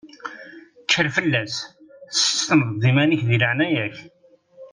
Kker fell-as, tessisneḍ-d iman-ik di leɛnaya-k!